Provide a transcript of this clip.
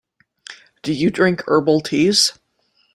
Do you drink herbal teas?